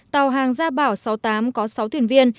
tàu hàng gia bảo sáu mươi tám có sáu thuyền viên